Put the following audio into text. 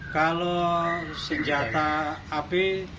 kalau senjata api